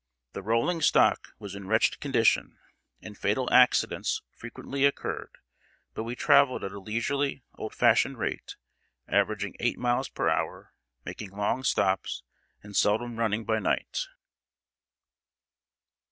The rolling stock was in wretched condition, and fatal accidents frequently occurred; but we traveled at a leisurely, old fashioned rate, averaging eight miles per hour, making long stops, and seldom running by night.